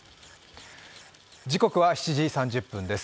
時刻は７時３０分です。